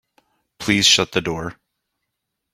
Please shut the door.